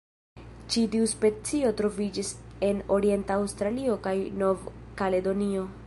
Ĉi tiu specio troviĝis en orienta Aŭstralio kaj Nov-Kaledonio.